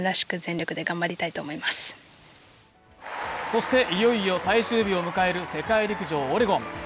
そしていよいよ最終日を迎える世界陸上オレゴン。